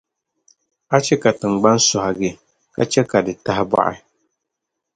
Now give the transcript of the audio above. A chɛ ka tiŋgbani sɔhigi, ka chɛ ka di tahi bɔɣi.